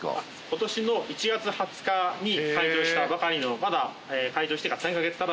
今年の１月２０日に開場したばかりのまだ開場してから３カ月足らずの。